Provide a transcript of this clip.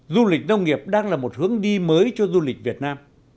du lịch nông nghiệp đang là một hướng đi mới cho du lịch việt nam